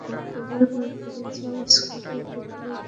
ক্রমে বয়স বাড়িয়াছে, ইস্কুল হইতে কলেজে গিয়াছি।